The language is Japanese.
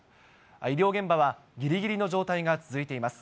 医療現場はぎりぎりの状態が続いています。